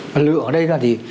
lực lượng ở đây là gì